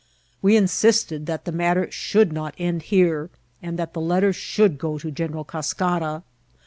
We insisted that the matter should not end here, and that the letter should go to General Cas cara.